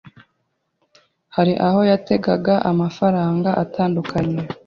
hari aho yategaga amafaranga atandukanye